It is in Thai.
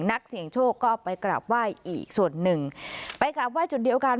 นักเสี่ยงโชคก็ไปกราบไหว้อีกส่วนหนึ่งไปกราบไห้จุดเดียวกัน